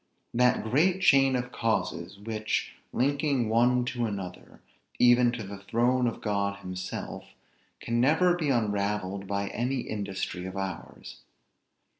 That great chain of causes, which, linking one to another, even to the throne of God himself, can never be unravelled by any industry of ours.